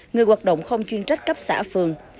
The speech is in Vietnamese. người hoạt động không chuyên trách cấp xã phường